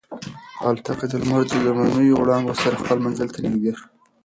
الوتکه د لمر د لومړنیو وړانګو سره خپل منزل ته نږدې شوه.